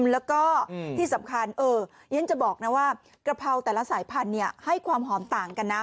แล้วก็ที่สำคัญฉันจะบอกนะว่ากะเพราแต่ละสายพันธุ์ให้ความหอมต่างกันนะ